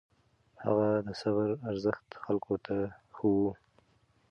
هغه د صبر ارزښت خلکو ته ښووه.